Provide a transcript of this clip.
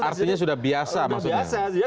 artinya sudah biasa maksudnya